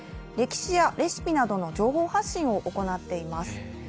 歴史やレシピなどの情報発信を行っています。